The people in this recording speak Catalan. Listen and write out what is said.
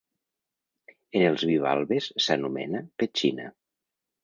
En els bivalves s'anomena petxina.